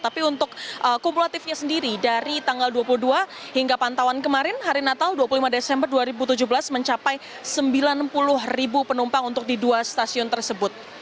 tapi untuk kumulatifnya sendiri dari tanggal dua puluh dua hingga pantauan kemarin hari natal dua puluh lima desember dua ribu tujuh belas mencapai sembilan puluh ribu penumpang untuk di dua stasiun tersebut